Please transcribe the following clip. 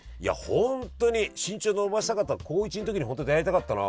本当に身長伸ばしたかった高１ん時に本当出会いたかったな。